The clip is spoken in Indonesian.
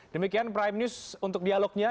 demikian prime news untuk dialognya